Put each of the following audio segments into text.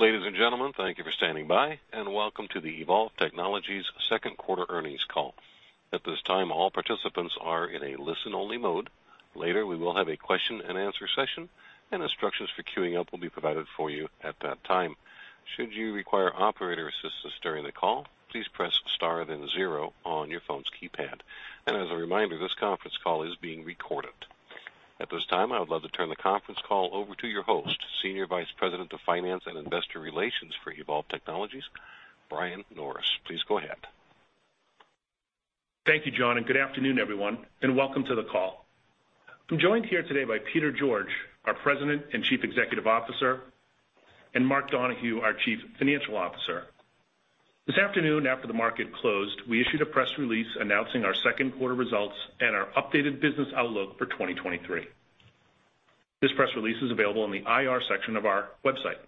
Ladies and gentlemen, thank you for standing by, and welcome to the Evolv Technologies second quarter earnings call. At this time, all participants are in a listen-only mode. Later, we will have a question and answer session, and instructions for queuing up will be provided for you at that time. Should you require operator assistance during the call, please press star then zero on your phone's keypad. As a reminder, this conference call is being recorded. At this time, I would love to turn the conference call over to your host, Senior Vice President of Finance and Investor Relations for Evolv Technologies, Brian Norris. Please go ahead. Thank you, John, and good afternoon, everyone, and welcome to the call. I'm joined here today by Peter George, our President and Chief Executive Officer, and Mark Donahoe, our Chief Financial Officer. This afternoon, after the market closed, we issued a press release announcing our second quarter results and our updated business outlook for 2023. This press release is available on the IR section of our website.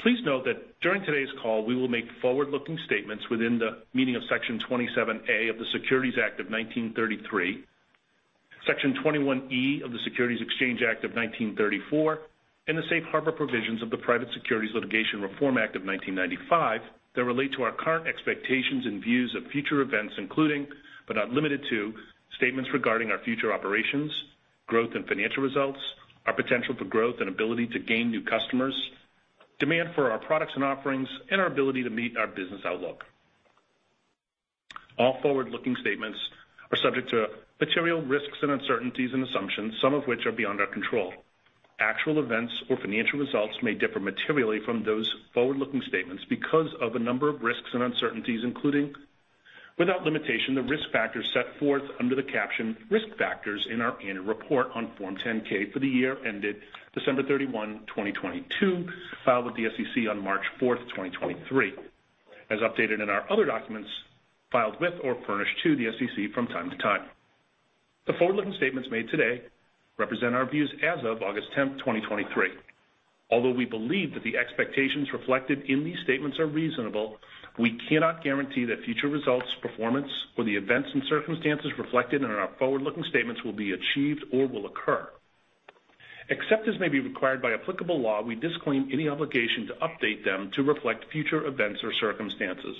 Please note that during today's call, we will make forward-looking statements within the meaning of Section 27A of the Securities Act of 1933, Section 21E of the Securities Exchange Act of 1934, and the safe harbor provisions of the Private Securities Litigation Reform Act of 1995, that relate to our current expectations and views of future events, including, but not limited to, statements regarding our future operations, growth and financial results, our potential for growth and ability to gain new customers, demand for our products and offerings, and our ability to meet our business outlook. All forward-looking statements are subject to material risks and uncertainties and assumptions, some of which are beyond our control. Actual events or financial results may differ materially from those forward-looking statements because of a number of risks and uncertainties, including, without limitation, the risk factors set forth under the caption Risk Factors in our annual report on Form 10-K for the year ended December 31, 2022, filed with the SEC on March 4th, 2023, as updated in our other documents filed with or furnished to the SEC from time to time. The forward-looking statements made today represent our views as of August 10th, 2023. Although we believe that the expectations reflected in these statements are reasonable, we cannot guarantee that future results, performance, or the events and circumstances reflected in our forward-looking statements will be achieved or will occur. Except as may be required by applicable law, we disclaim any obligation to update them to reflect future events or circumstances.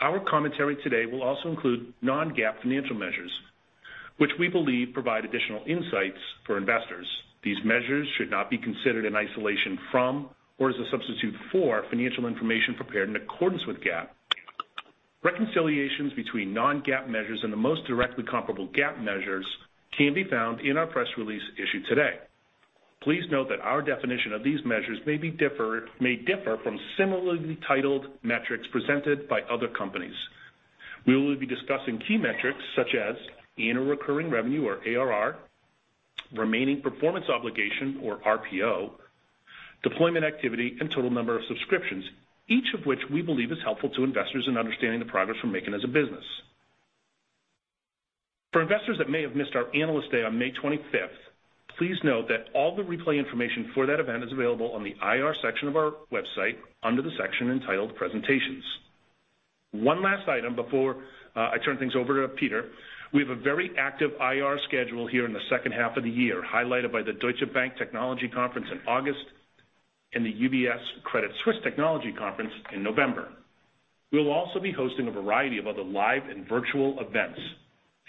Our commentary today will also include non-GAAP financial measures, which we believe provide additional insights for investors. These measures should not be considered in isolation from or as a substitute for financial information prepared in accordance with GAAP. Reconciliations between non-GAAP measures and the most directly comparable GAAP measures can be found in our press release issued today. Please note that our definition of these measures may differ from similarly titled metrics presented by other companies. We will be discussing key metrics such as annual recurring revenue, or ARR, remaining performance obligation, or RPO, deployment activity, and total number of subscriptions, each of which we believe is helpful to investors in understanding the progress we're making as a business. For investors that may have missed our Analyst Day on May 25th, please note that all the replay information for that event is available on the IR section of our website under the section entitled Presentations. One last item before I turn things over to Peter. We have a very active IR schedule here in the second half of the year, highlighted by the Deutsche Bank Technology Conference in August and the UBS Credit Suisse Technology Conference in November. We'll also be hosting a variety of other live and virtual events.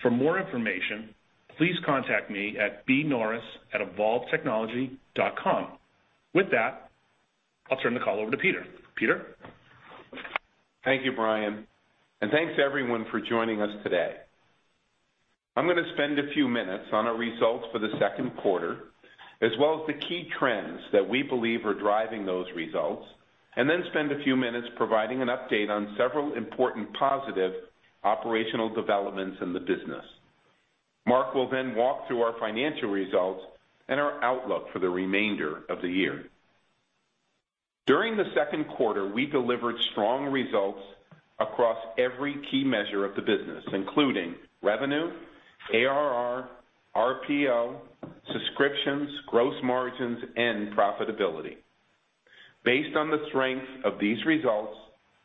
For more information, please contact me at bnorris@evolvetechnology.com. With that, I'll turn the call over to Peter. Peter? Thank you, Brian, and thanks to everyone for joining us today. I'm gonna spend a few minutes on our results for the second quarter, as well as the key trends that we believe are driving those results, and then spend a few minutes providing an update on several important positive operational developments in the business. Mark will then walk through our financial results and our outlook for the remainder of the year. During the second quarter, we delivered strong results across every key measure of the business, including revenue, ARR, RPO, subscriptions, gross margins, and profitability. Based on the strength of these results,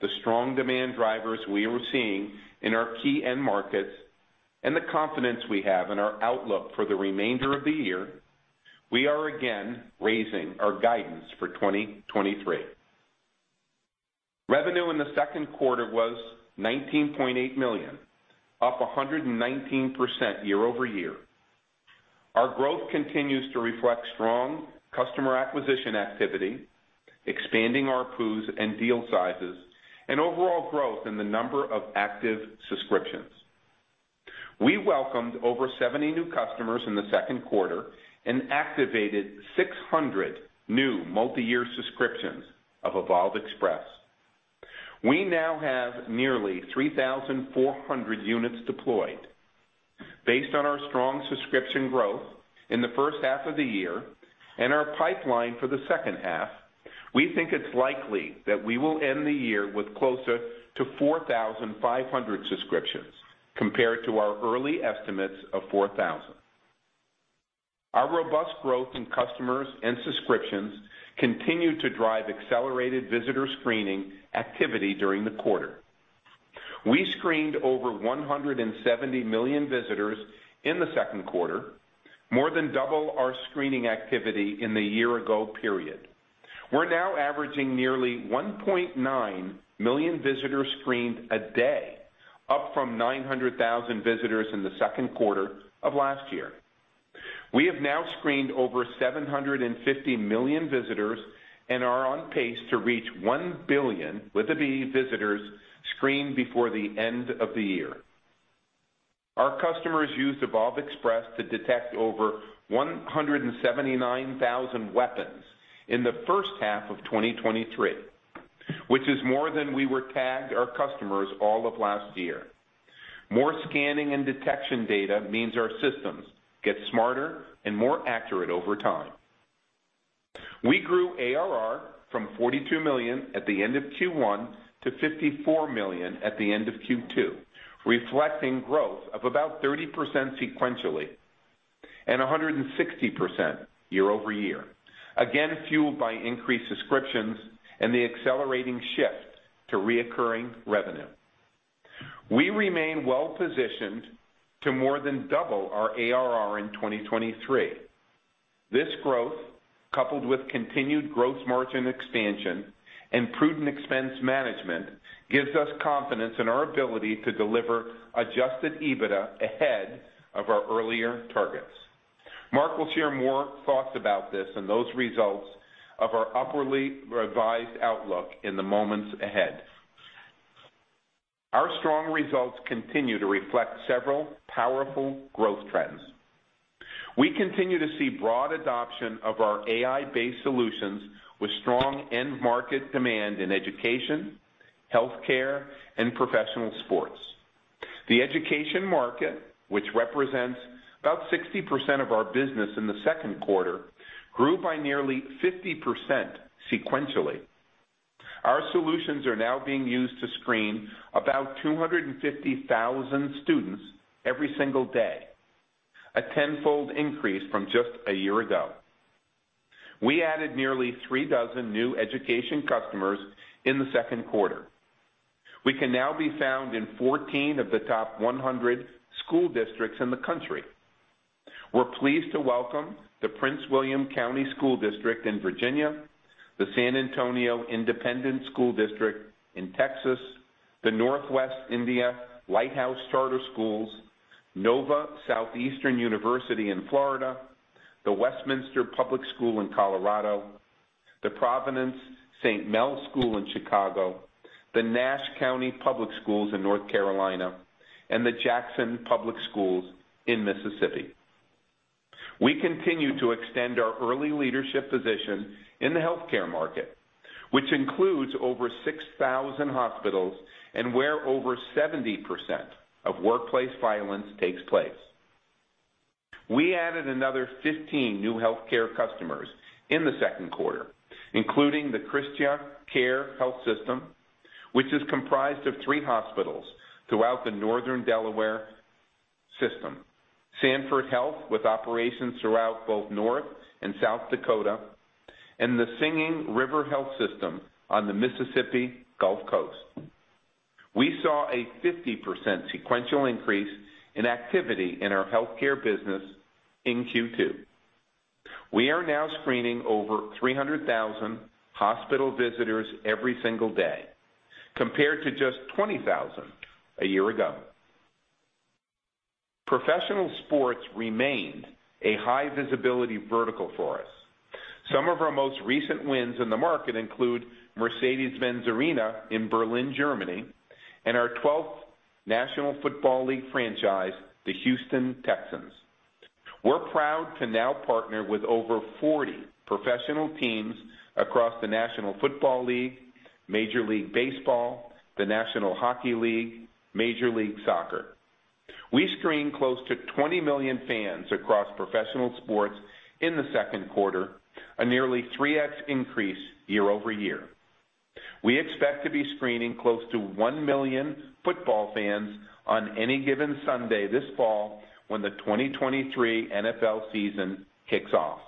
the strong demand drivers we are seeing in our key end markets, and the confidence we have in our outlook for the remainder of the year, we are again raising our guidance for 2023. Revenue in the second quarter was $19.8 million, up 119% year-over-year. Our growth continues to reflect strong customer acquisition activity, expanding our POs and deal sizes, and overall growth in the number of active subscriptions. We welcomed over 70 new customers in the second quarter and activated 600 new multiyear subscriptions of Evolv Express. We now have nearly 3,400 units deployed. Based on our strong subscription growth in the first half of the year and our pipeline for the second half, we think it's likely that we will end the year with closer to 4,500 subscriptions, compared to our early estimates of 4,000. Our robust growth in customers and subscriptions continued to drive accelerated visitor screening activity during the quarter. We screened over 170 million visitors in the second quarter, more than double our screening activity in the year-ago period. We're now averaging nearly 1.9 million visitors screened a day, up from 900,000 visitors in the second quarter of last year. We have now screened over 750 million visitors and are on pace to reach 1 billion, with a B, visitors screened before the end of the year. Our customers used Evolv Express to detect over 179,000 weapons in the first half of 2023, which is more than we were tagged our customers all of last year. More scanning and detection data means our systems get smarter and more accurate over time. We grew ARR from $42 million at the end of Q1 to $54 million at the end of Q2, reflecting growth of about 30% sequentially and 160% year-over-year, again, fueled by increased subscriptions and the accelerating shift to reoccurring revenue. We remain well positioned to more than double our ARR in 2023. This growth, coupled with continued gross margin expansion and prudent expense management, gives us confidence in our ability to deliver adjusted EBITDA ahead of our earlier targets. Mark will share more thoughts about this and those results of our upwardly revised outlook in the moments ahead. Our strong results continue to reflect several powerful growth trends. We continue to see broad adoption of our AI-based solutions with strong end market demand in education, healthcare, and professional sports. The education market, which represents about 60% of our business in the 2Q, grew by nearly 50% sequentially. Our solutions are now being used to screen about 250,000 students every single day, a 10-fold increase from just a year ago. We added nearly 3 dozen new education customers in the 2Q. We can now be found in 14 of the top 100 school districts in the country. We're pleased to welcome the Prince William County Public Schools in Virginia, the San Antonio Independent School District in Texas, the Northwest Indiana Lighthouse Charter Schools, Nova Southeastern University in Florida, the Westminster Public Schools in Colorado, the Providence St. Mel School in Chicago, the Nash County Public Schools in North Carolina, and the Jackson Public Schools in Mississippi. We continue to extend our early leadership position in the healthcare market, which includes over 6,000 hospitals and where over 70% of workplace violence takes place. We added another 15 new healthcare customers in the 2Q, including the ChristianaCare Health System, which is comprised of 3 hospitals throughout the Northern Delaware system, Sanford Health, with operations throughout both North and South Dakota, and the Singing River Health System on the Mississippi Gulf Coast. We saw a 50% sequential increase in activity in our healthcare business in Q2. We are now screening over 300,000 hospital visitors every single day, compared to just 20,000 a year ago. Professional sports remained a high visibility vertical for us. Some of our most recent wins in the market include Mercedes-Benz Arena in Berlin, Germany, and our 12th National Football League franchise, the Houston Texans. We're proud to now partner with over 40 professional teams across the National Football League, Major League Baseball, the National Hockey League, Major League Soccer. We screened close to 20 million fans across professional sports in the second quarter, a nearly 3x increase year-over-year. We expect to be screening close to 1 million football fans on any given Sunday this fall when the 2023 NFL season kicks off.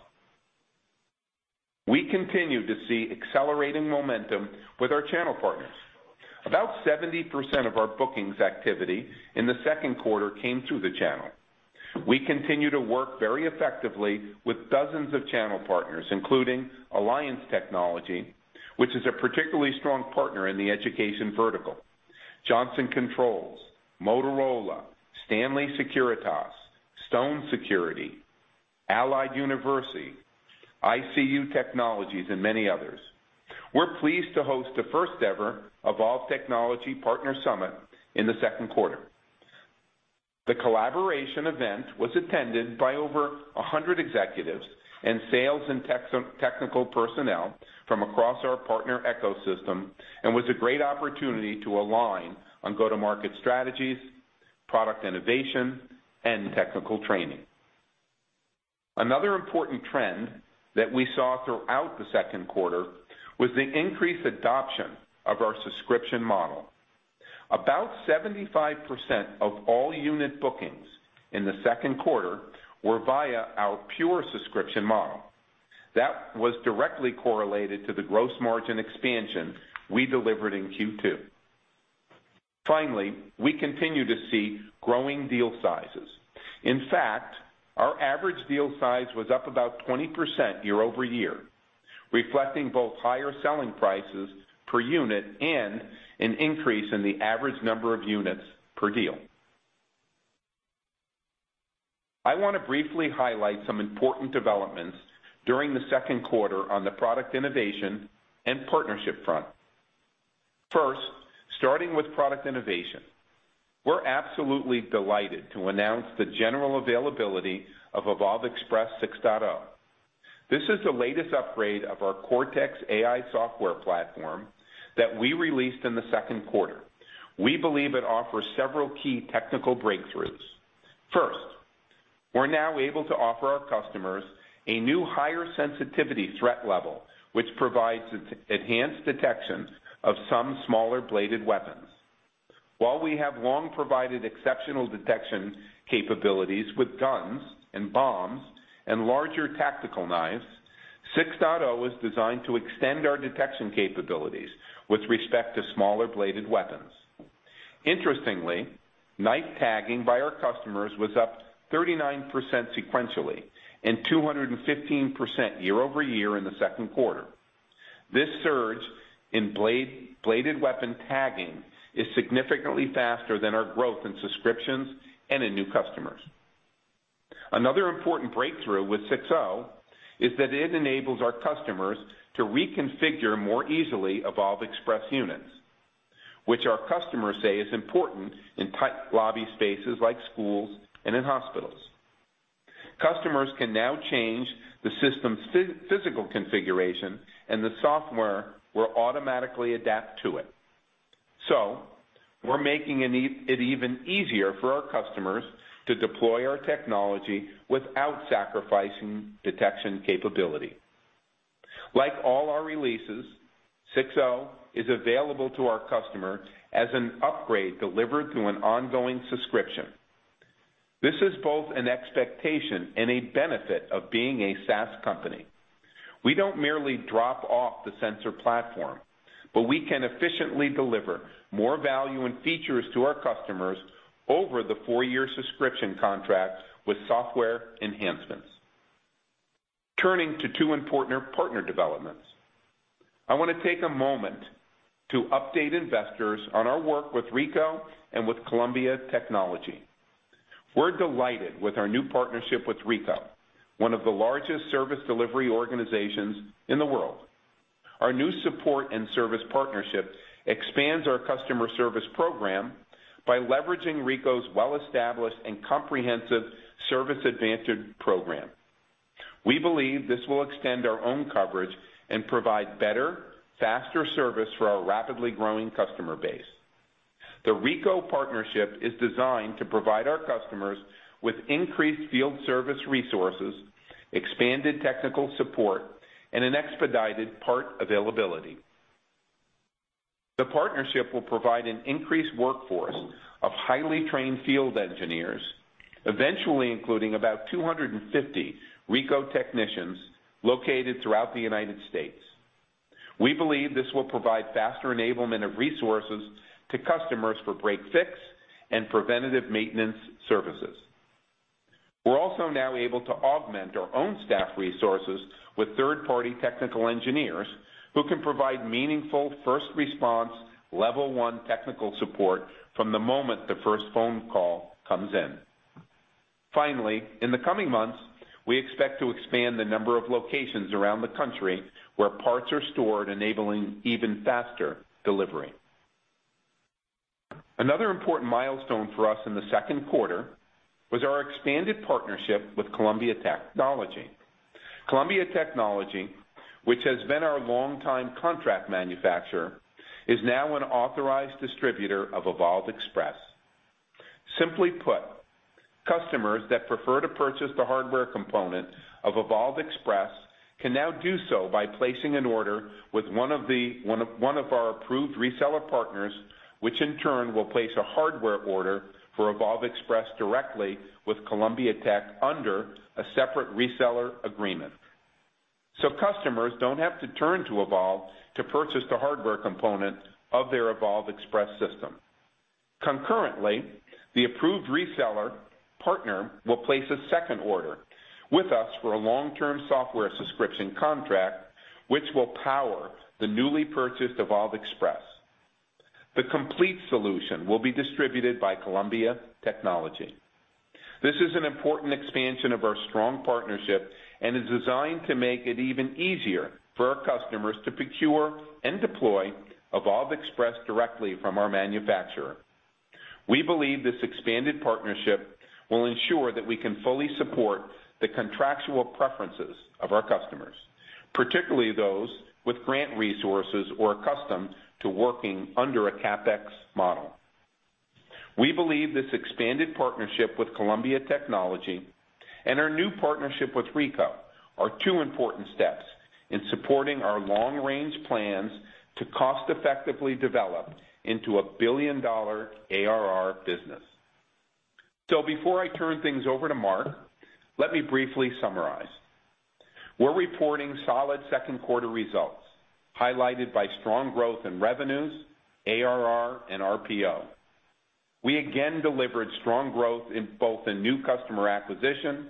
We continue to see accelerating momentum with our channel partners. About 70% of our bookings activity in the second quarter came through the channel. We continue to work very effectively with dozens of channel partners, including Alliance Technology, which is a particularly strong partner in the education vertical. Johnson Controls, Motorola, Securitas Technology, Stone Security, Allied Universal, ICU Technologies, and many others. We're pleased to host the first ever Evolv Technology Partner Summit in the second quarter. The collaboration event was attended by over 100 executives and sales and technical personnel from across our partner ecosystem, was a great opportunity to align on go-to-market strategies, product innovation, and technical training. Another important trend that we saw throughout the second quarter was the increased adoption of our subscription model. About 75% of all unit bookings in the second quarter were via our pure subscription model. That was directly correlated to the gross margin expansion we delivered in Q2. Finally, we continue to see growing deal sizes. In fact, our average deal size was up about 20% year-over-year, reflecting both higher selling prices per unit and an increase in the average number of units per deal. I want to briefly highlight some important developments during the second quarter on the product innovation and partnership front. First, starting with product innovation. We're absolutely delighted to announce the general availability of Evolv Express 6.0. This is the latest upgrade of our Cortex AI software platform that we released in the second quarter. We believe it offers several key technical breakthroughs. First, we're now able to offer our customers a new, higher sensitivity threat level, which provides enhanced detection of some smaller bladed weapons. While we have long provided exceptional detection capabilities with guns and bombs and larger tactical knives, 6.0 is designed to extend our detection capabilities with respect to smaller bladed weapons. Interestingly, knife tagging by our customers was up 39% sequentially and 215% year-over-year in the second quarter. This surge in bladed weapon tagging is significantly faster than our growth in subscriptions and in new customers. Another important breakthrough with 6.0 is that it enables our customers to reconfigure more easily Evolv Express units, which our customers say is important in tight lobby spaces like schools and in hospitals. Customers can now change the system's physical configuration, and the software will automatically adapt to it. We're making it even easier for our customers to deploy our technology without sacrificing detection capability. Like all our releases, 6.0 is available to our customer as an upgrade delivered through an ongoing subscription. This is both an expectation and a benefit of being a SaaS company. We don't merely drop off the sensor platform, but we can efficiently deliver more value and features to our customers over the four-year subscription contract with software enhancements. Turning to two important partner developments. I want to take a moment to update investors on our work with Ricoh and with Columbia Technology. We're delighted with our new partnership with Ricoh, one of the largest service delivery organizations in the world. Our new support and service partnership expands our customer service program by leveraging Ricoh's well-established and comprehensive service advantage program. We believe this will extend our own coverage and provide better, faster service for our rapidly growing customer base. The Ricoh partnership is designed to provide our customers with increased field service resources, expanded technical support, and an expedited part availability. The partnership will provide an increased workforce of highly trained field engineers, eventually including about 250 Ricoh technicians located throughout the United States. We believe this will provide faster enablement of resources to customers for break, fix, and preventative maintenance services. We're also now able to augment our own staff resources with third-party technical engineers, who can provide meaningful first response level one technical support from the moment the first phone call comes in. Finally, in the coming months, we expect to expand the number of locations around the country where parts are stored, enabling even faster delivery. Another important milestone for us in the second quarter was our expanded partnership with Columbia Technology. Columbia Technology, which has been our longtime contract manufacturer, is now an authorized distributor of Evolv Express. Simply put, customers that prefer to purchase the hardware component of Evolv Express can now do so by placing an order with one of our approved reseller partners, which in turn will place a hardware order for Evolv Express directly with Columbia Tech under a separate reseller agreement. Customers don't have to turn to Evolv to purchase the hardware component of their Evolv Express system. Concurrently, the approved reseller partner will place a second order with us for a long-term software subscription contract, which will power the newly purchased Evolv Express. The complete solution will be distributed by Columbia Technology. This is an important expansion of our strong partnership and is designed to make it even easier for our customers to procure and deploy Evolv Express directly from our manufacturer. We believe this expanded partnership will ensure that we can fully support the contractual preferences of our customers, particularly those with grant resources or accustomed to working under a CapEx model. We believe this expanded partnership with Columbia Technology and our new partnership with Ricoh are two important steps in supporting our long-range plans to cost effectively develop into a billion-dollar ARR business.... Before I turn things over to Mark, let me briefly summarize. We're reporting solid second quarter results, highlighted by strong growth in revenues, ARR, and RPO. We again delivered strong growth in both in new customer acquisition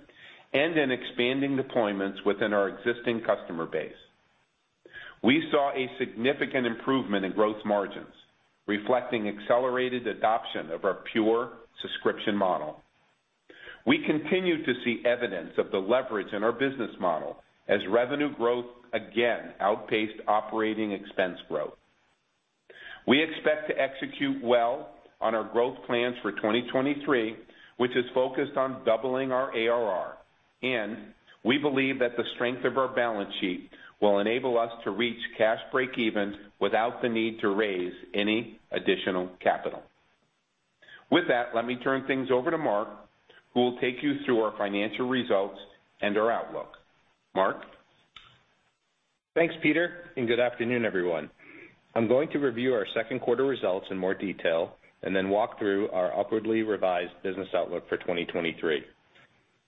and in expanding deployments within our existing customer base. We saw a significant improvement in growth margins, reflecting accelerated adoption of our pure subscription model. We continue to see evidence of the leverage in our business model as revenue growth again outpaced operating expense growth. We expect to execute well on our growth plans for 2023, which is focused on doubling our ARR, and we believe that the strength of our balance sheet will enable us to reach cash breakeven without the need to raise any additional capital. With that, let me turn things over to Mark, who will take you through our financial results and our outlook. Mark? Thanks, Peter, and good afternoon, everyone. I'm going to review our second quarter results in more detail, and then walk through our upwardly revised business outlook for 2023.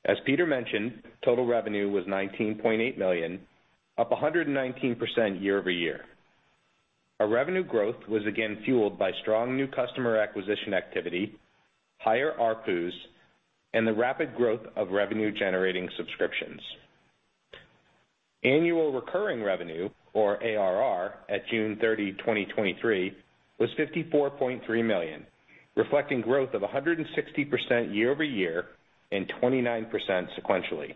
As Peter mentioned, total revenue was $19.8 million, up 119% year-over-year. Our revenue growth was again fueled by strong new customer acquisition activity, higher ARPUs, and the rapid growth of revenue-generating subscriptions. Annual recurring revenue, or ARR, at June 30, 2023, was $54.3 million, reflecting growth of 160% year-over-year and 29% sequentially.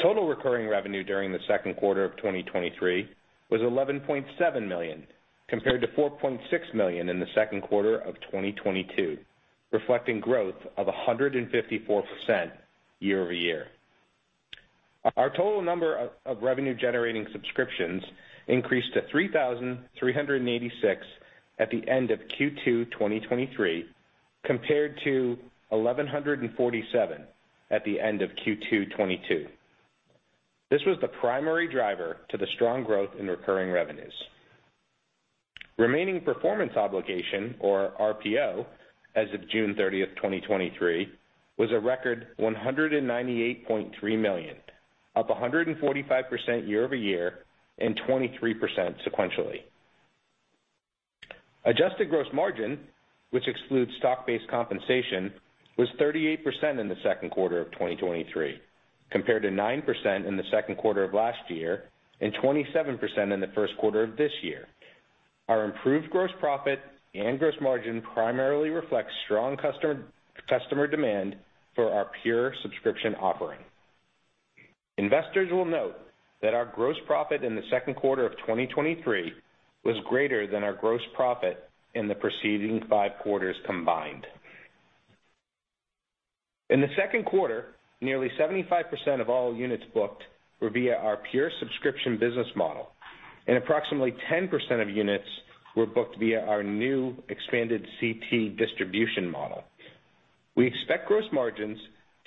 Total recurring revenue during the second quarter of 2023 was $11.7 million, compared to $4.6 million in the second quarter of 2022, reflecting growth of 154% year-over-year. Our total number of revenue-generating subscriptions increased to 3,386 at the end of Q2 2023, compared to 1,147 at the end of Q2 2022. This was the primary driver to the strong growth in recurring revenues. Remaining performance obligation, or RPO, as of June 30, 2023, was a record $198.3 million, up 145% year-over-year, and 23% sequentially. Adjusted gross margin, which excludes stock-based compensation, was 38% in the second quarter of 2023, compared to 9% in the second quarter of last year and 27% in the first quarter of this year. Our improved gross profit and gross margin primarily reflects strong customer demand for our pure subscription offering. Investors will note that our gross profit in the second quarter of 2023 was greater than our gross profit in the preceding 5 quarters combined. In the second quarter, nearly 75% of all units booked were via our pure subscription business model, and approximately 10% of units were booked via our new expanded CT distribution model. We expect gross margins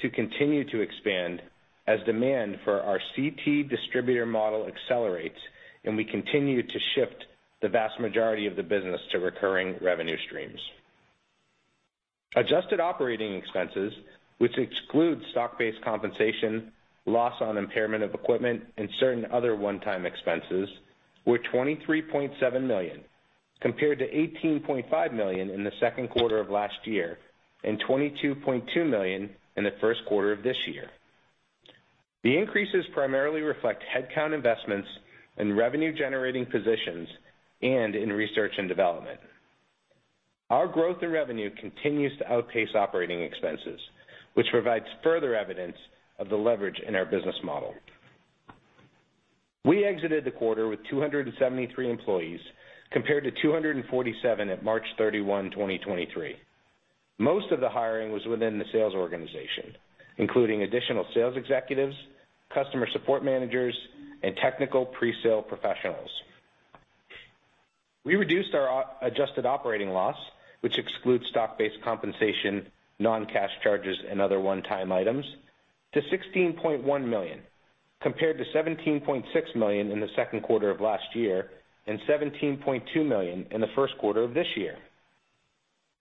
to continue to expand as demand for our CT distributor model accelerates, and we continue to shift the vast majority of the business to recurring revenue streams. Adjusted operating expenses, which excludes stock-based compensation, loss on impairment of equipment, and certain other one-time expenses, were $23.7 million, compared to $18.5 million in the second quarter of last year, and $22.2 million in the first quarter of this year. The increases primarily reflect headcount investments in revenue-generating positions and in research and development. Our growth in revenue continues to outpace operating expenses, which provides further evidence of the leverage in our business model. We exited the quarter with 273 employees, compared to 247 at March 31, 2023. Most of the hiring was within the sales organization, including additional sales executives, customer support managers, and technical presale professionals. We reduced our adjusted operating loss, which excludes stock-based compensation, non-cash charges, and other one-time items, to $16.1 million, compared to $17.6 million in the second quarter of last year, and $17.2 million in the first quarter of this year.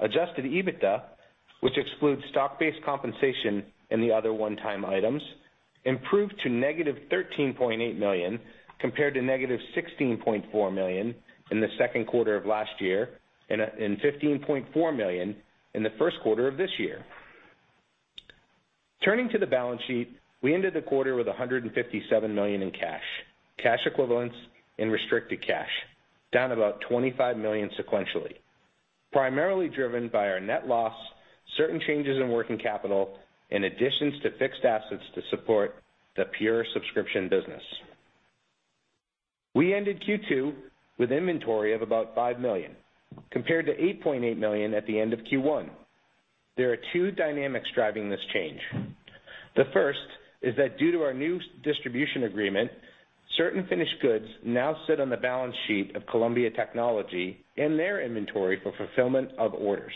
Adjusted EBITDA, which excludes stock-based compensation and the other one-time items, improved to negative $13.8 million, compared to negative $16.4 million in the second quarter of last year, and $15.4 million in the first quarter of this year. Turning to the balance sheet, we ended the quarter with $157 million in cash, cash equivalents, and restricted cash, down about $25 million sequentially, primarily driven by our net loss, certain changes in working capital, and additions to fixed assets to support the pure subscription business. We ended Q2 with inventory of about $5 million, compared to $8.8 million at the end of Q1. There are two dynamics driving this change. The first is that due to our new distribution agreement, certain finished goods now sit on the balance sheet of Columbia Technology and their inventory for fulfillment of orders.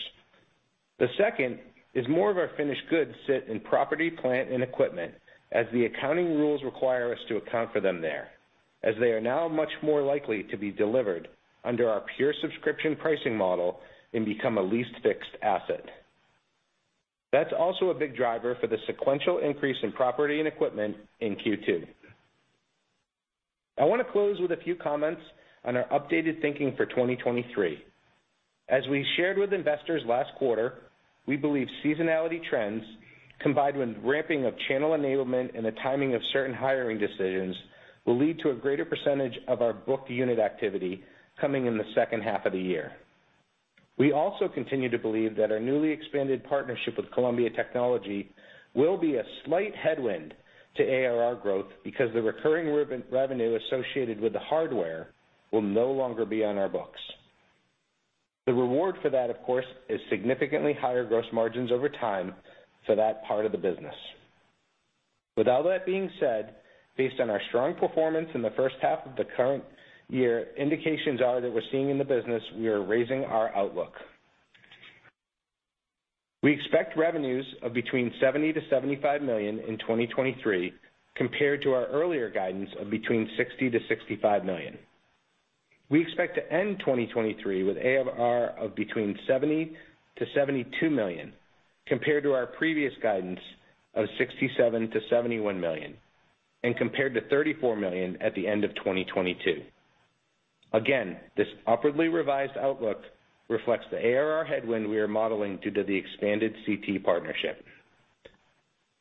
The second is more of our finished goods sit in property, plant, and equipment, as the accounting rules require us to account for them there, as they are now much more likely to be delivered under our pure subscription pricing model and become a leased fixed asset. That's also a big driver for the sequential increase in property and equipment in Q2. I want to close with a few comments on our updated thinking for 2023. As we shared with investors last quarter, we believe seasonality trends, combined with ramping of channel enablement and the timing of certain hiring decisions, will lead to a greater percentage of our booked unit activity coming in the second half of the year. We also continue to believe that our newly expanded partnership with Columbia Technology will be a slight headwind to ARR growth, because the recurring revenue associated with the hardware will no longer be on our books. The reward for that, of course, is significantly higher gross margins over time for that part of the business. With all that being said, based on our strong performance in the first half of the current year, indications are that we're seeing in the business, we are raising our outlook. We expect revenues of between $70 million-$75 million in 2023, compared to our earlier guidance of between $60 million-$65 million. We expect to end 2023 with ARR of between $70 million-$72 million, compared to our previous guidance of $67 million-$71 million, and compared to $34 million at the end of 2022. Again, this upwardly revised outlook reflects the ARR headwind we are modeling due to the expanded CT partnership.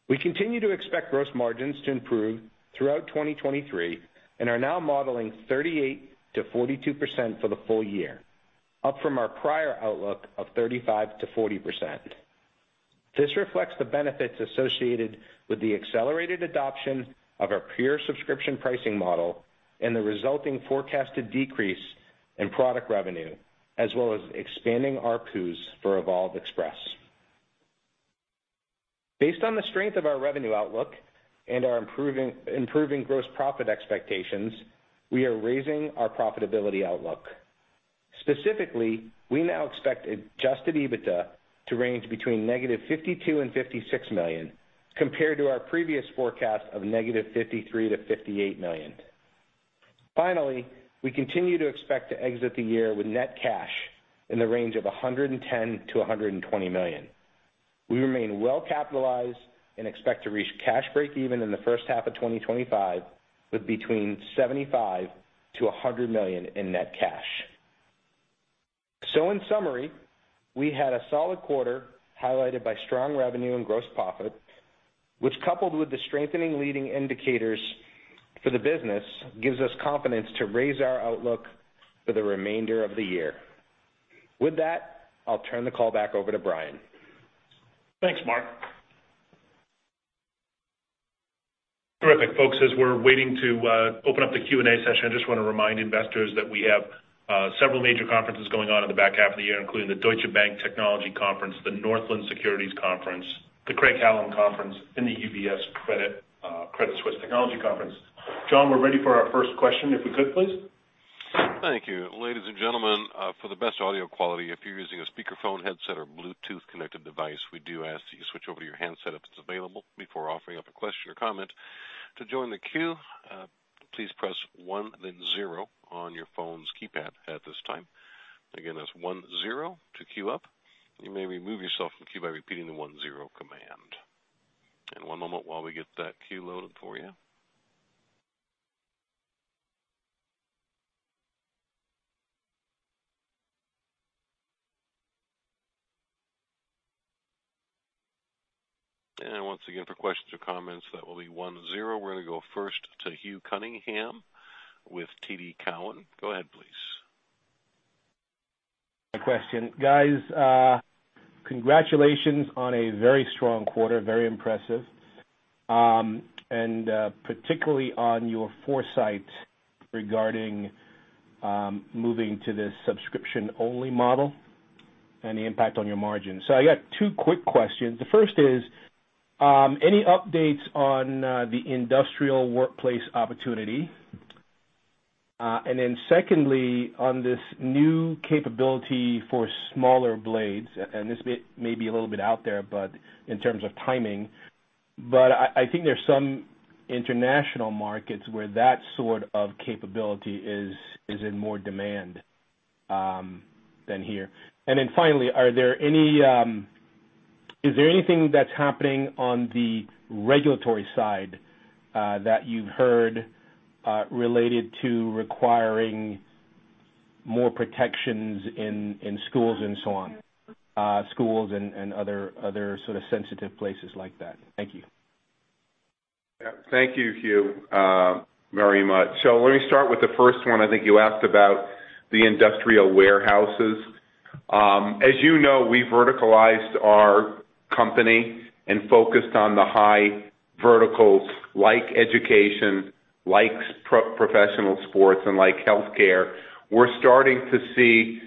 We continue to expect gross margins to improve throughout 2023 and are now modeling 38%-42% for the full year, up from our prior outlook of 35%-40%. This reflects the benefits associated with the accelerated adoption of our pure subscription pricing model and the resulting forecasted decrease in product revenue, as well as expanding ARPU for Evolv Express. Based on the strength of our revenue outlook and our improving, improving gross profit expectations, we are raising our profitability outlook. Specifically, we now expect Adjusted EBITDA to range between negative $52 million and $56 million, compared to our previous forecast of negative $53 million to $58 million. Finally, we continue to expect to exit the year with net cash in the range of $110 million-$120 million. We remain well capitalized and expect to reach cash breakeven in the first half of 2025, with between $75 million-$100 million in net cash. In summary, we had a solid quarter, highlighted by strong revenue and gross profit, which, coupled with the strengthening leading indicators for the business, gives us confidence to raise our outlook for the remainder of the year. With that, I'll turn the call back over to Brian. Thanks, Mark. Terrific. Folks, as we're waiting to open up the Q&A session, I just want to remind investors that we have several major conferences going on in the back half of the year, including the Deutsche Bank Technology Conference, the Northland Securities Conference, the Craig-Hallum conference, and the UBS Credit Suisse Technology Conference. John, we're ready for our first question, if we could, please. Thank you. Ladies and gentlemen, for the best audio quality, if you're using a speakerphone, headset or Bluetooth-connected device, we do ask that you switch over to your handset if it's available, before offering up a question or comment. To join the queue, please press one, then zero on your phone's keypad at this time. Again, that's one zero to queue up. You may remove yourself from the queue by repeating the one zero command. One moment while we get that queue loaded for you. Once again, for questions or comments, that will be one zero. We're gonna go first to Hugh Cunningham with TD Cowen. Go ahead, please. My question. Guys, congratulations on a very strong quarter. Very impressive, particularly on your foresight regarding moving to this subscription-only model and the impact on your margins. I got two quick questions. The first is, any updates on the industrial workplace opportunity? Secondly, on this new capability for smaller blades, and this may, may be a little bit out there, but in terms of timing, but I, I think there's some international markets where that sort of capability is, is in more demand than here. Finally, are there any, is there anything that's happening on the regulatory side that you've heard, related to requiring more protections in schools and so on, schools and other sort of sensitive places like that? Thank you. Yeah. Thank you, Hugh, very much. Let me start with the first one. I think you asked about the industrial warehouses. As you know, we verticalized our company and focused on the high verticals like education, likes professional sports, and like healthcare. We're starting to see,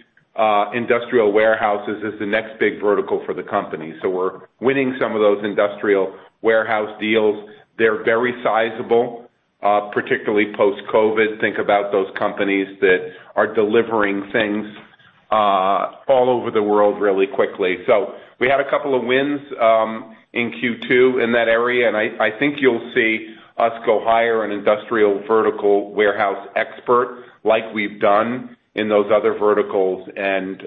industrial warehouses as the next big vertical for the company. We're winning some of those industrial warehouse deals. They're very sizable, particularly post-COVID. Think about those companies that are delivering things-... all over the world really quickly. We had two wins in Q2 in that area, and I, I think you'll see us go hire an industrial vertical warehouse expert like we've done in those other verticals, and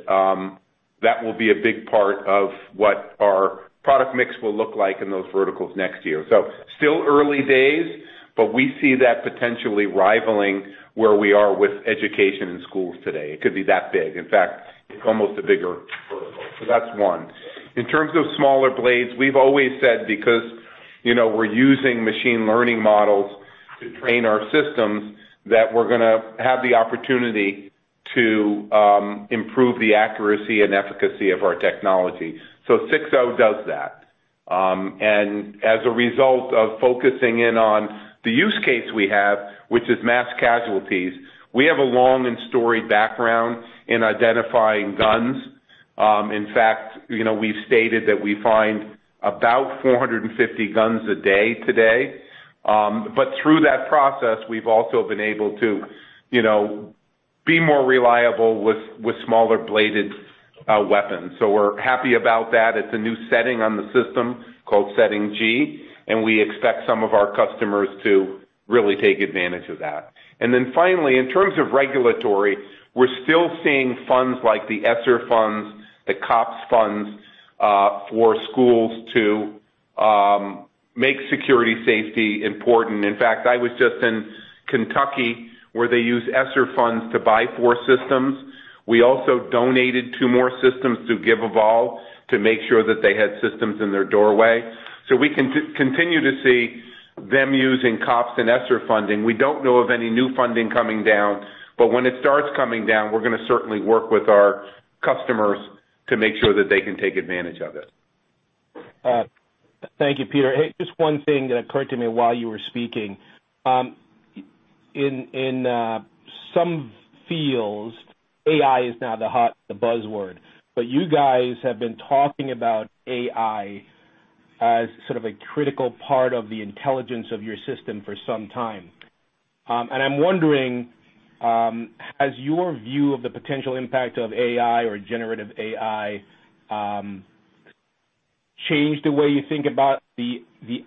that will be a big part of what our product mix will look like in those verticals next year. Still early days, but we see that potentially rivaling where we are with education in schools today. It could be that big. In fact, it's almost a bigger vertical. That's one. In terms of smaller blades, we've always said, because, you know, we're using machine learning models to train our systems, that we're gonna have the opportunity to improve the accuracy and efficacy of our technology. 6.0 does that. As a result of focusing in on the use case we have, which is mass casualties, we have a long and storied background in identifying guns. In fact, you know, we've stated that we find about 450 guns a day today. Through that process, we've also been able to, you know, be more reliable with, with smaller bladed weapons. We're happy about that. It's a new setting on the system called Setting G. We expect some of our customers to really take advantage of that. Finally, in terms of regulatory, we're still seeing funds like the ESSER funds, the COPS funds, for schools to make security safety important. In fact, I was just in Kentucky, where they used ESSER funds to buy 4 systems. We also donated two more systems to GivEvolv to make sure that they had systems in their doorway. We continue to see them using COPS and ESSER funding. We don't know of any new funding coming down, but when it starts coming down, we're gonna certainly work with our customers to make sure that they can take advantage of it. Thank you, Peter. Hey, just one thing that occurred to me while you were speaking. In some fields, AI is now the buzzword, but you guys have been talking about AI as sort of a critical part of the intelligence of your system for some time. And I'm wondering, has your view of the potential impact of AI or generative AI changed the way you think about the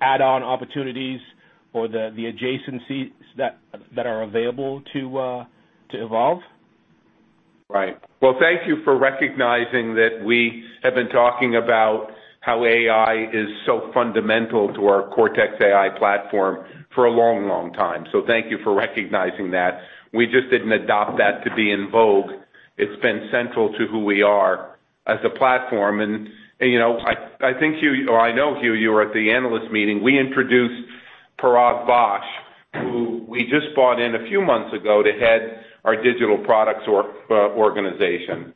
add-on opportunities or the adjacencies that are available to Evolv? Right. Well, thank you for recognizing that we have been talking about how AI is so fundamental to our Cortex AI platform for a long, long time. Thank you for recognizing that. We just didn't adopt that to be in vogue. It's been central to who we are as a platform. You know, I, I think you or I know Hugh, you were at the analyst meeting. We introduced Parag Vaish, who we just brought in a few months ago to head our digital products or organization.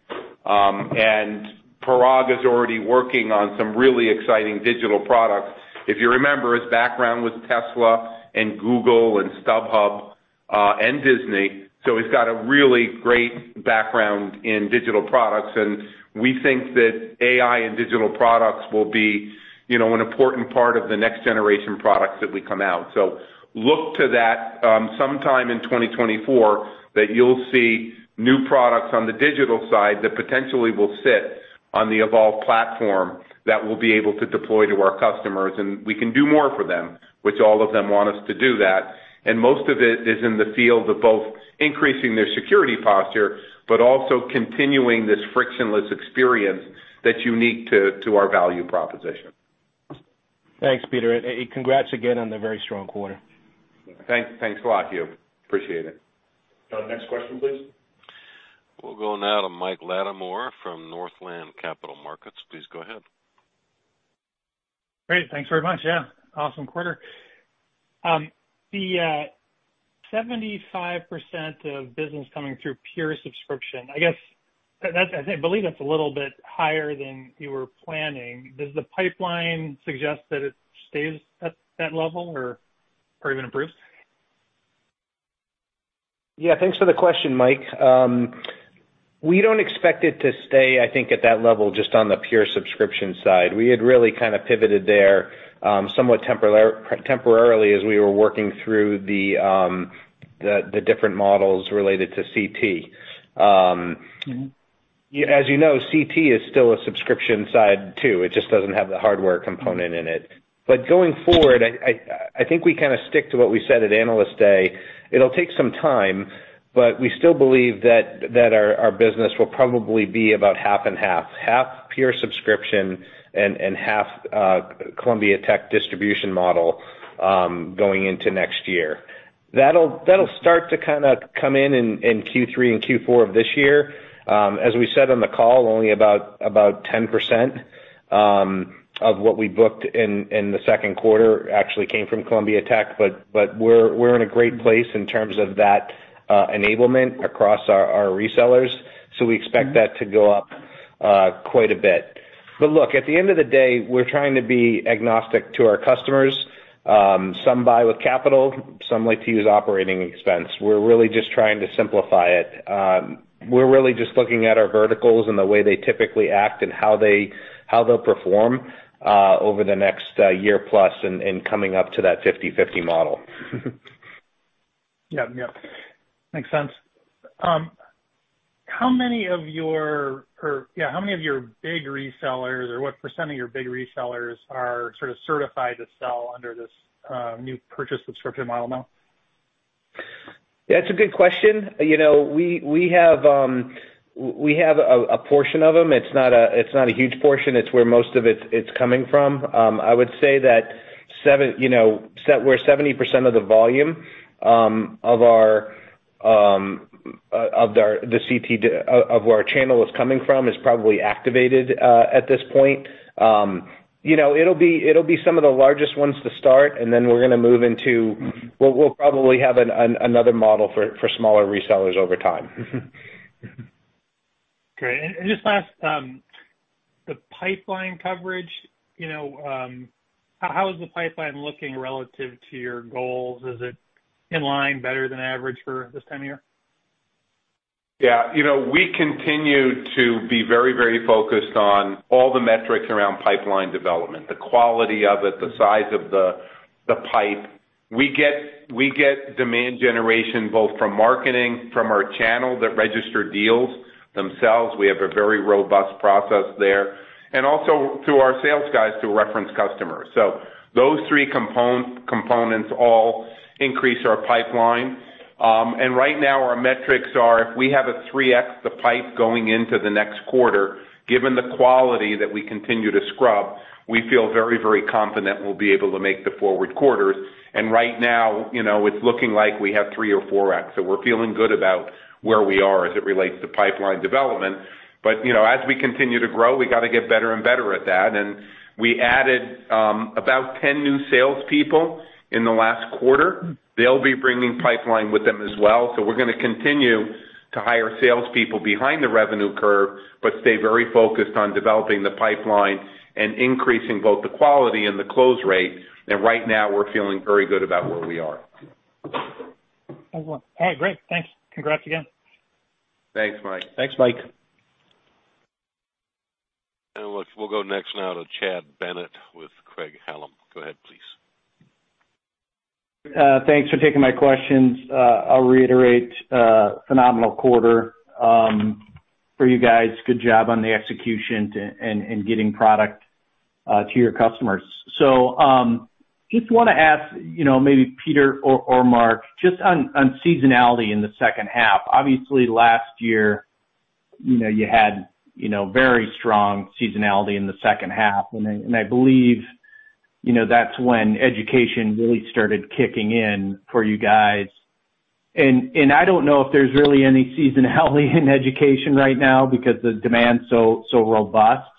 Parag is already working on some really exciting digital products. If you remember, his background with Tesla and Google and StubHub and Disney, so he's got a really great background in digital products, and we think that AI and digital products will be, you know, an important part of the next generation products that we come out. Look to that, sometime in 2024, that you'll see new products on the digital side that potentially will sit on the Evolv platform, that we'll be able to deploy to our customers, and we can do more for them, which all of them want us to do that. Most of it is in the field of both increasing their security posture, but also continuing this frictionless experience that's unique to, to our value proposition. Thanks, Peter. Congrats again on the very strong quarter. Thank, thanks a lot, Hugh. Appreciate it. Next question, please. We'll go now to Mike Latimore from Northland Capital Markets. Please go ahead. Great. Thanks very much. Yeah, awesome quarter. The 75% of business coming through pure subscription, I guess, I believe that's a little bit higher than you were planning. Does the pipeline suggest that it stays at that level or, or even improves? Yeah, thanks for the question, Mike. We don't expect it to stay, I think, at that level, just on the pure subscription side. We had really kind of pivoted there, somewhat temporarily as we were working through the different models related to CT. As you know, CT is still a subscription side, too. It just doesn't have the hardware component in it. Going forward, I, I, I think we kinda stick to what we said at Analyst Day. It'll take some time, but we still believe that, that our, our business will probably be about half and half. Half pure subscription and, and half Columbia Tech distribution model, going into next year. That'll, that'll start to kinda come in Q3 and Q4 of this year. As we said on the call, only about, about 10% of what we booked in, in the second quarter actually came from Columbia Tech, but we're in a great place in terms of that enablement across our resellers. We expect that to go up quite a bit. Look, at the end of the day, we're trying to be agnostic to our customers. Some buy with capital, some like to use operating expense. We're really just trying to simplify it. We're really just looking at our verticals and the way they typically act and how they- how they'll perform over the next year plus and coming up to that 50/50 model. Yeah, yeah, makes sense. How many of your yeah, how many of your big resellers or what % of your big resellers are sort of certified to sell under this new purchase subscription model now? Yeah, it's a good question. You know, we, we have a, a portion of them. It's not a, it's not a huge portion, it's where most of it's, it's coming from. I would say that, you know, where 70% of the volume of our of our, the CT of, of where our channel is coming from, is probably activated at this point. You know, it'll be, it'll be some of the largest ones to start, and then we're gonna move into, we'll, we'll probably have another model for, for smaller resellers over time. Great. And just last, the pipeline coverage, you know, how, how is the pipeline looking relative to your goals? Is it in line better than average for this time of year? Yeah, you know, we continue to be very, very focused on all the metrics around pipeline development, the quality of it, the size of the, the pipe. We get, we get demand generation, both from marketing, from our channel, that register deals themselves. We have a very robust process there. Also, through our sales guys, through reference customers. Those three components all increase our pipeline. Right now, our metrics are, if we have a 3x, the pipe going into the next quarter, given the quality that we continue to scrub, we feel very, very confident we'll be able to make the forward quarters. Right now, you know, it's looking like we have 3x or 4x. We're feeling good about where we are as it relates to pipeline development. You know, as we continue to grow, we gotta get better and better at that. We added about 10 new salespeople in the last quarter. They'll be bringing pipeline with them as well. We're gonna continue to hire salespeople behind the revenue curve, but stay very focused on developing the pipeline and increasing both the quality and the close rate. Right now, we're feeling very good about where we are. Excellent. All right, great! Thanks. Congrats again. Thanks, Mike. Thanks, Mike. Look, we'll go next now to Chad Bennett with Craig-Hallum. Go ahead, please. Thanks for taking my questions. I'll reiterate, phenomenal quarter for you guys. Good job on the execution and getting product to your customers. Just wanna ask, you know, maybe Peter or Mark, just on seasonality in the second half. Obviously, last year, you know, you had, you know, very strong seasonality in the second half. I, and I believe, you know, that's when education really started kicking in for you guys. I don't know if there's really any seasonality in education right now because the demand's so, so robust,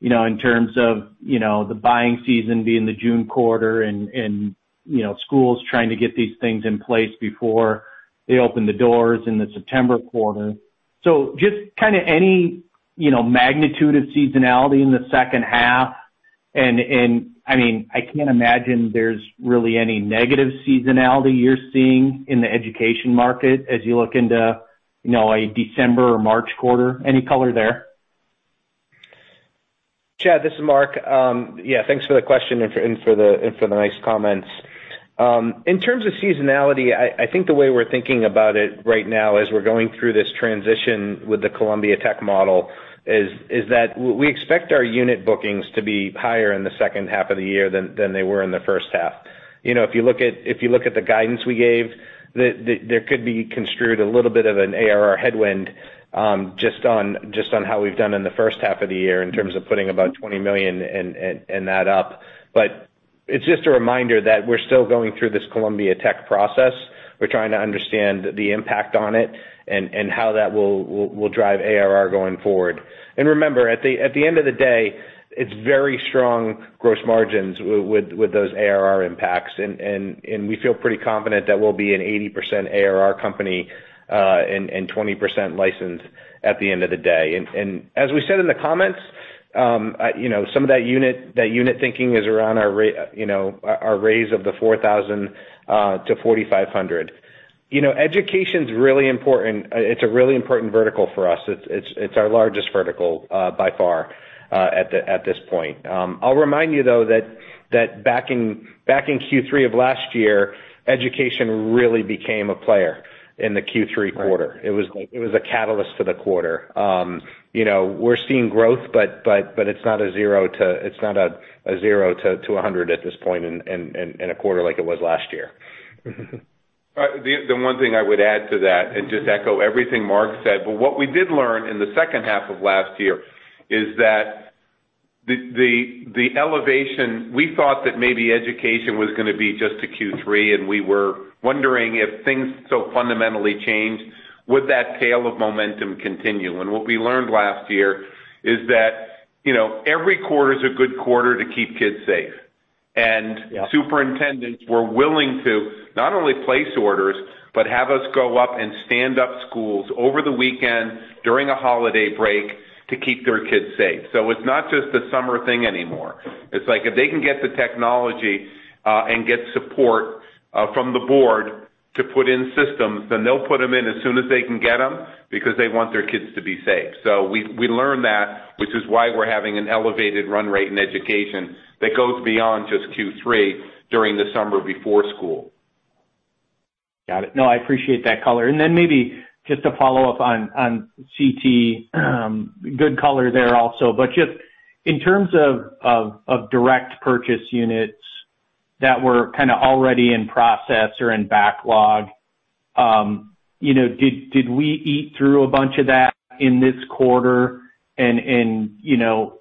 you know, in terms of, you know, the buying season being the June quarter and, and, you know, schools trying to get these things in place before they open the doors in the September quarter. Just kinda any, you know, magnitude of seasonality in the second half. I mean, I can't imagine there's really any negative seasonality you're seeing in the education market as you look into, you know, a December or March quarter. Any color there? Chad, this is Mark. Yeah, thanks for the question and for, and for the, and for the nice comments. In terms of seasonality, I, I think the way we're thinking about it right now, as we're going through this transition with the Columbia Tech model, is, is that we expect our unit bookings to be higher in the second half of the year than, than they were in the first half. You know, if you look at, if you look at the guidance we gave, the, the, there could be construed a little bit of an ARR headwind, just on, just on how we've done in the first half of the year, in terms of putting about $20 million and, and, and that up. It's just a reminder that we're still going through this Columbia Tech process. We're trying to understand the impact on it and, and how that will, will, will drive ARR going forward. Remember, at the, at the end of the day, it's very strong gross margins with, with those ARR impacts. We feel pretty confident that we'll be an 80% ARR company, and 20% licensed at the end of the day. As we said in the comments, you know, some of that unit, that unit thinking is around our raise of the 4,000, to 4,500. You know, education's really important. It's a really important vertical for us. It's, it's, it's our largest vertical, by far, at the, at this point. I'll remind you, though, that, that back in, back in Q3 of last year, education really became a player in the Q3 quarter. Right. It was, it was a catalyst for the quarter. you know, we're seeing growth, but it's not a 0 to, it's not a 0 to, to a 100 at this point in a quarter like it was last year. The one thing I would add to that, and just echo everything Mark said, but what we did learn in the second half of last year is that the elevation. We thought that maybe education was gonna be just to Q3, and we were wondering if things so fundamentally changed, would that tail of momentum continue? What we learned last year is that, you know, every quarter is a good quarter to keep kids safe. Yeah. Superintendents were willing to not only place orders, but have us go up and stand up schools over the weekend, during a holiday break, to keep their kids safe. It's not just a summer thing anymore. It's like, if they can get the technology, and get support, from the board to put in systems, then they'll put them in as soon as they can get them, because they want their kids to be safe. We, we learned that, which is why we're having an elevated run rate in education that goes beyond just Q3, during the summer before school. Got it. No, I appreciate that color. Maybe just to follow up on CT, good color there also. Just in terms of direct purchase units that were kind of already in process or in backlog, you know, did we eat through a bunch of that in this quarter? You know,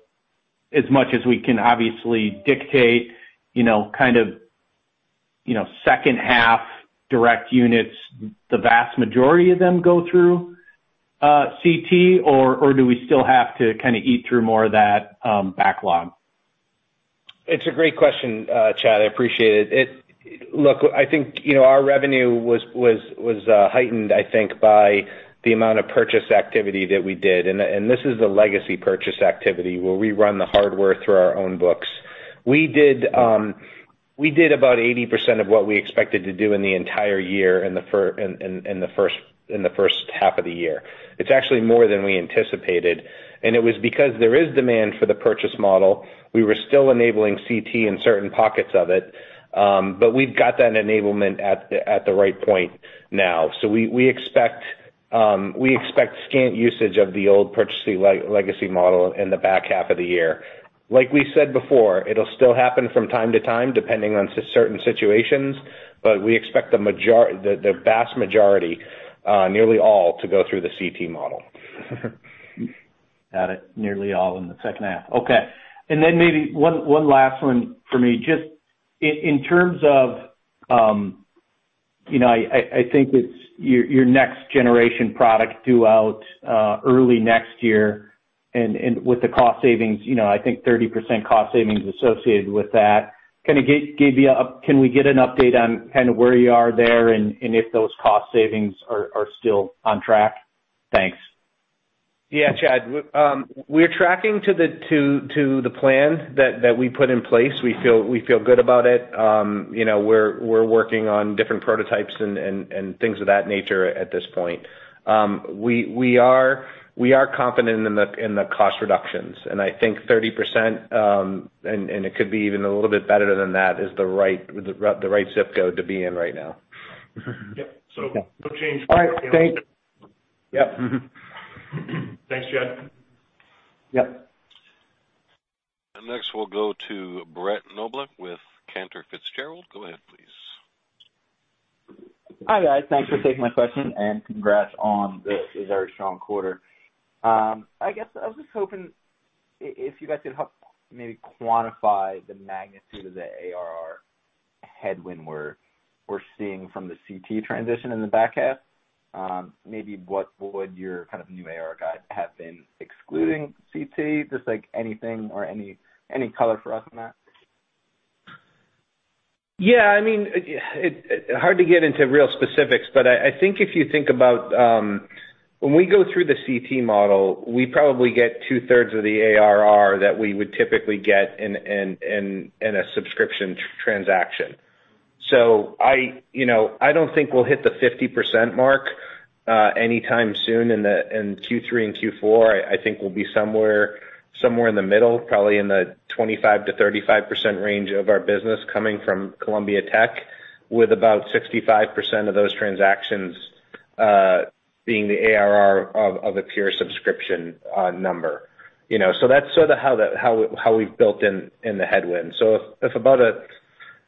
as much as we can obviously dictate, you know, kind of, you know, second half direct units, the vast majority of them go through CT, or do we still have to kind of eat through more of that backlog? It's a great question, Chad. I appreciate it. Look, I think, you know, our revenue was heightened, I think, by the amount of purchase activity that we did. This is the legacy purchase activity where we run the hardware through our own books. We did about 80% of what we expected to do in the entire year, in the first, in the first half of the year. It's actually more than we anticipated, and it was because there is demand for the purchase model. We were still enabling CT in certain pockets of it, but we've got that enablement at the, at the right point now. We, we expect, we expect scant usage of the old purchasing legacy model in the back half of the year. Like we said before, it'll still happen from time to time, depending on certain situations, but we expect the, the vast majority, nearly all, to go through the CT model. Got it. Nearly all in the second half. Okay, and then maybe one, one last one for me. Just in terms of, you know, I think it's your next generation product due out early next year, and with the cost savings, you know, I think 30% cost savings associated with that. Can we get an update on kind of where you are there and if those cost savings are still on track? Thanks. Yeah, Chad. W- we're tracking to the to, to the plan that, that we put in place. We feel, we feel good about it. You know, we're, we're working on different prototypes and, and, and things of that nature at this point. We, we are, we are confident in the, in the cost reductions, and I think 30%, and, and it could be even a little bit better than that, is the right, the, the right ZIP code to be in right now. Yep. No change- All right, thanks. Yep. Mm-hmm. Thanks, Chad. Yep. Next, we'll go to Brett Knoblauch with Cantor Fitzgerald. Go ahead, please. Hi, guys. Thanks for taking my question. Congrats on this very strong quarter. I guess I was just hoping if you guys could help maybe quantify the magnitude of the ARR headwind we're seeing from the CT transition in the back half. Maybe what would your kind of new ARR guide have been, excluding CT? Just like anything or any color for us on that? Yeah, I mean, it, hard to get into real specifics, but I, I think if you think about, when we go through the CT model, we probably get two-thirds of the ARR that we would typically get in a subscription transaction. I, you know, I don't think we'll hit the 50% mark anytime soon in the, in Q3 and Q4. I, I think we'll be somewhere, somewhere in the middle, probably in the 25%-35% range of our business coming from Columbia Tech, with about 65% of those transactions being the ARR of a pure subscription number. You know, that's sort of how we've built in, in the headwind. If about a,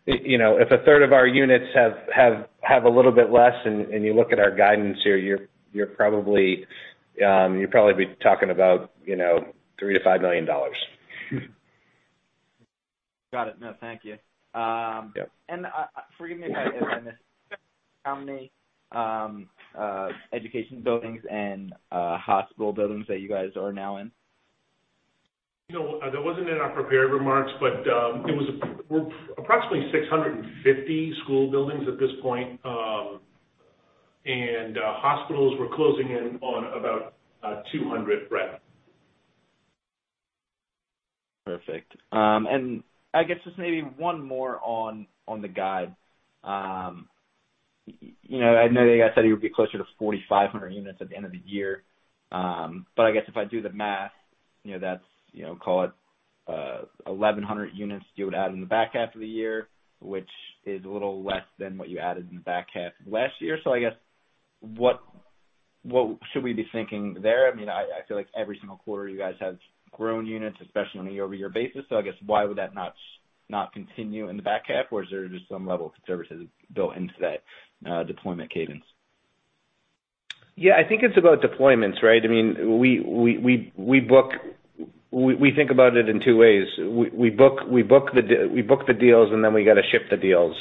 you know, if a third of our units have a little bit less, and you look at our guidance here, you're, you're probably, you'd probably be talking about, you know, $3 million-$5 million. Got it. No, thank you. Yep. forgive me if I, if I missed. How many education buildings and hospital buildings that you guys are now in? You know, that wasn't in our prepared remarks, but it was approximately 650 school buildings at this point. Hospitals, we're closing in on about 200, Brett. Perfect. I guess just maybe one more on, on the guide. You know, I know you guys said you would be closer to 4,500 units at the end of the year. I guess if I do the math, you know, that's, you know, call it, 1,100 units you would add in the back half of the year, which is a little less than what you added in the back half of last year. I guess, what, what should we be thinking there? I mean, I, I feel like every single quarter you guys have grown units, especially on a year-over-year basis. I guess why would that not, not continue in the back half, or is there just some level of services built into that, deployment cadence? Yeah, I think it's about deployments, right? I mean, we book. We think about it in 2 ways. We book the deals, and then we gotta ship the deals.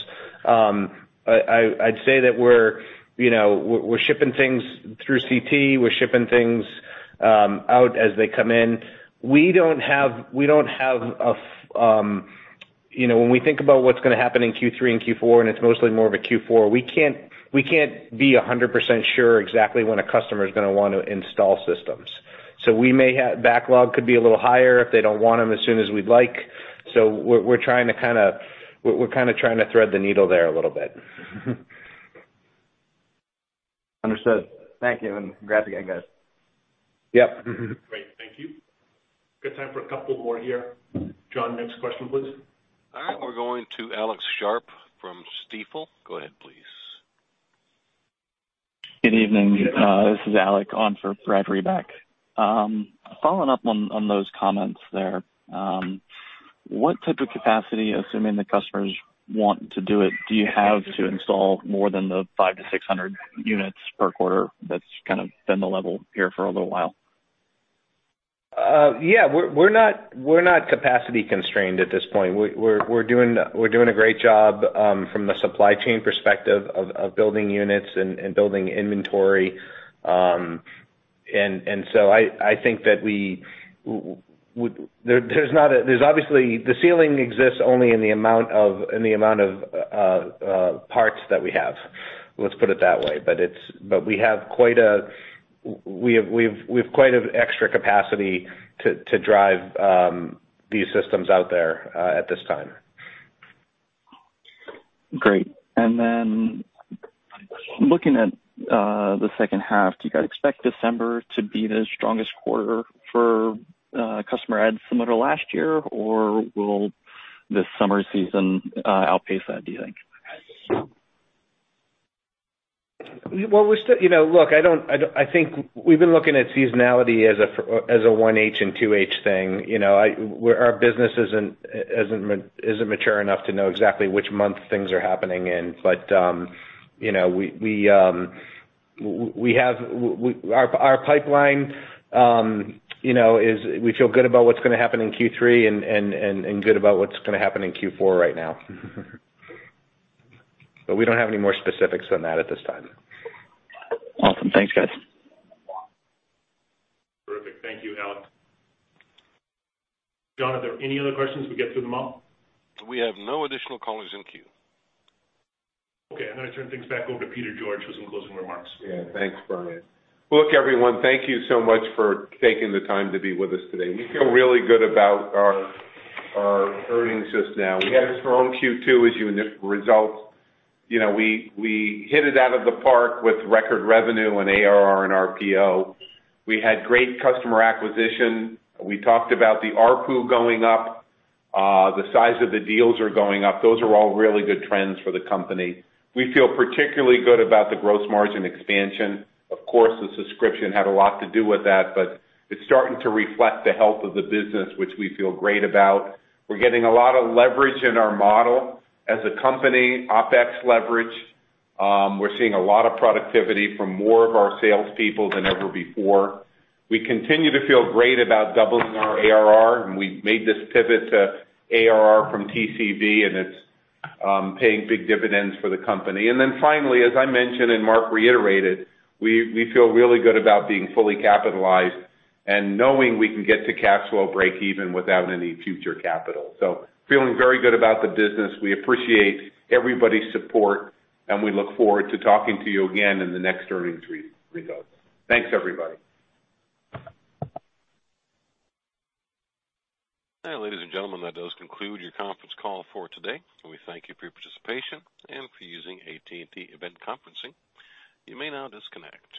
I, I, I'd say that we're, you know, we're shipping things through CT. We're shipping things out as they come in. We don't have, you know, when we think about what's gonna happen in Q3 and Q4, and it's mostly more of a Q4, we can't, we can't be 100% sure exactly when a customer is gonna want to install systems. So we may have. Backlog could be a little higher if they don't want them as soon as we'd like. We're, we're trying to kind of, we're, we're kind of trying to thread the needle there a little bit. ...Understood. Thank you. Congrats again, guys. Yep. Great. Thank you. Got time for a couple more here. John, next question, please. All right, we're going to Alex Sharp from Stifel. Go ahead, please. Good evening, this is Alex on for Brad Reback. Following up on those comments there, what type of capacity, assuming the customers want to do it, do you have to install more than the 500-600 units per quarter, that's kind of been the level here for a little while? Yeah, we're, we're not, we're not capacity constrained at this point. We're, we're doing, we're doing a great job from the supply chain perspective of, of building units and, and building inventory. So I, I think that we would. There's not a. There's obviously the ceiling exists only in the amount of, in the amount of parts that we have. Let's put it that way. It's. But we have quite a we've, we've, we've quite of extra capacity to, to drive these systems out there at this time. Great. Then looking at the second half, do you guys expect December to be the strongest quarter for customer adds similar to last year? Or will this summer season outpace that, do you think? Well, we're still. You know, look, I don't, I don't. I think we've been looking at seasonality as a 1H and 2H thing. You know, I, we're, our business isn't, isn't mature enough to know exactly which month things are happening in. You know, we, we, we have Our pipeline, you know, is we feel good about what's gonna happen in Q3 and, and, and, and good about what's gonna happen in Q4 right now. We don't have any more specifics on that at this time. Awesome. Thanks, guys. Terrific. Thank you, Alex. John, are there any other questions, we get through them all? We have no additional callers in queue. Okay, I'm gonna turn things back over to Peter George for some closing remarks. Yeah, thanks, Brian. Look, everyone, thank you so much for taking the time to be with us today. We feel really good about our, our earnings just now. We had a strong Q2, as you results. You know, we, we hit it out of the park with record revenue and ARR and RPO. We had great customer acquisition. We talked about the ARPU going up. The size of the deals are going up. Those are all really good trends for the company. We feel particularly good about the gross margin expansion. Of course, the subscription had a lot to do with that, but it's starting to reflect the health of the business, which we feel great about. We're getting a lot of leverage in our model as a company, OpEx leverage. We're seeing a lot of productivity from more of our salespeople than ever before. We continue to feel great about doubling our ARR, and we've made this pivot to ARR from TCV, and it's paying big dividends for the company. Finally, as I mentioned, and Mark reiterated, we, we feel really good about being fully capitalized and knowing we can get to cash flow breakeven without any future capital. Feeling very good about the business. We appreciate everybody's support, and we look forward to talking to you again in the next earnings results. Thanks, everybody. Ladies and gentlemen, that does conclude your conference call for today. We thank you for your participation and for using AT&T Event Conferencing. You may now disconnect.